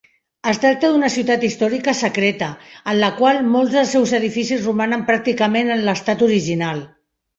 Es tracta d'una ciutat històrica secreta, en la qual molts dels seus edificis romanen pràcticament en l'estat original.